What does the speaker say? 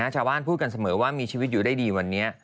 พูดกันเสมอว่ามีชีวิตอยู่ได้ดีวันนี้